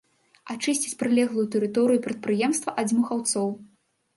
Ачысціць прылеглую тэрыторыю прадпрыемства ад дзьмухаўцоў.